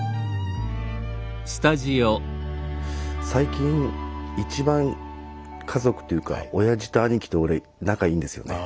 最近一番家族というかおやじと兄貴と俺仲いいんですよね。